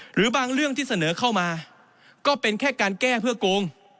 หรือบางเรื่องที่เสนอเข้ามาก็เป็นแค่การแก้เพื่อโกง